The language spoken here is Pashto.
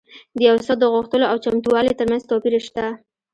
د یو څه د غوښتلو او چمتووالي ترمنځ توپیر شته